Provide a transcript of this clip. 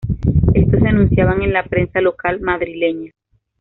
Estos se anunciaban en la prensa local madrileña.